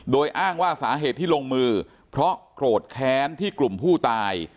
โดยอ้างว่าสาเหตุที่ลงมือเพราะโกรธแค้นที่กลุ่มผู้ตาย